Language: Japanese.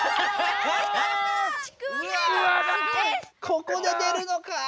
ここで出るのか。